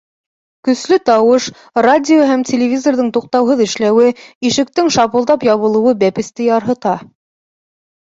Көслө тауыш, радио һәм телевизорҙың туҡтауһыҙ эшләүе, ишектең шапылдап ябылыуы бәпесте ярһыта.